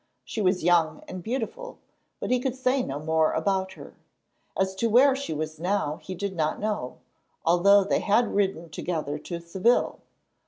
She was young and beautiful, but he could say no more about her. As to where she was now he did not know, although they had ridden together to Seville.